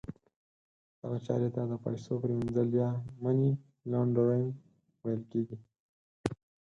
دغه چارې ته د پیسو پریمینځل یا Money Laundering ویل کیږي.